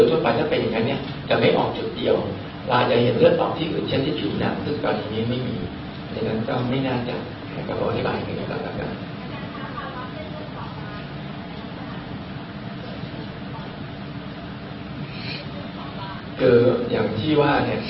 ที่ว่าเนี่ยใครหวัดคนในห้องเนี่ยอาจจะมีอยู่